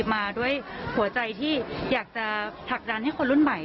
มาด้วยหัวใจที่อยากจะผลักดันให้คนรุ่นใหม่